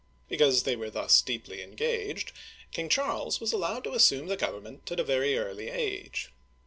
Because they were thus deeply engaged. King Charles was allowed to assume the government at a very early age.